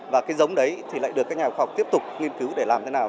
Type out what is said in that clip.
và cái giống đấy thì lại được các nhà khoa học tiếp tục nghiên cứu để làm thế nào